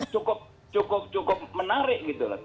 cukup cukup menarik gitu loh